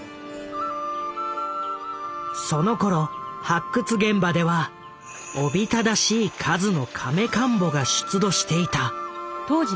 そのころ発掘現場ではおびただしい数の甕棺墓が出土していた。